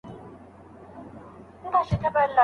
ایا په ساینس کي هم مزاجي یووالی پکار دی؟